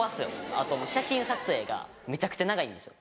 あと写真撮影がめちゃくちゃ長いんですよ。